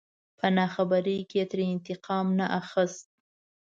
په ناخبرۍ کې يې ترې انتقام نه اخست.